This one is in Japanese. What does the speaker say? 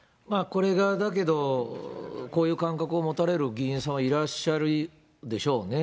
これがだけど、こういう感覚を持たれる議員さんはいらっしゃるでしょうね。